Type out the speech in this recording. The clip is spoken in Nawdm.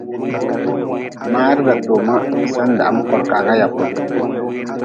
Maar datoma sen dahm burkaagu yakun.